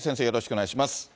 よろしくお願いします。